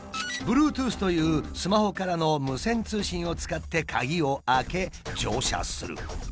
Ｂｌｕｅｔｏｏｔｈというスマホからの無線通信を使ってカギを開け乗車する。